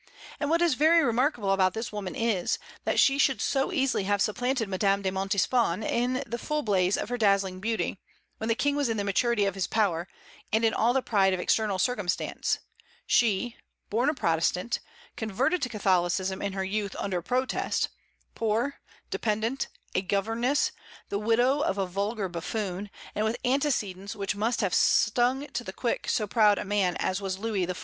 And what is very remarkable about this woman is, that she should so easily have supplanted Madame de Montespan in the full blaze of her dazzling beauty, when the King was in the maturity of his power and in all the pride of external circumstance, she, born a Protestant, converted to Catholicism in her youth under protest, poor, dependent, a governess, the widow of a vulgar buffoon, and with antecedents which must have stung to the quick so proud a man as was Louis XIV.